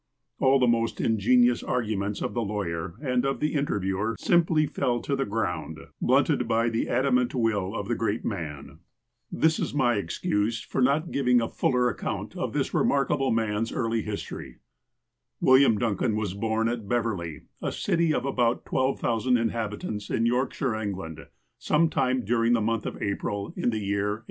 All the most ingenious arguments of the lawyer and of the interviewer simply fell to the ground, blunted by the adamant will of the great man. This is my excuse for 19 20 THE APOSTLE OF ALASKA not giving a fuller account of this remarkable man's early liistory. William Duncan was born at Beverley, a city of about 12,000 inhabitants, in Yorkshire, England, some time duriug the month of April in the year 1832.